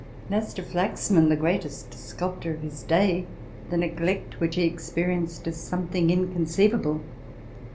As to Flaxman, the greatest sculptor of his day, the neglect which he experienced is something in conceivable.